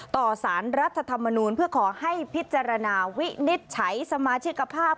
ต่อสารรัฐธรรมนูลเพื่อขอให้พิจารณาวินิจฉัยสมาชิกภาพ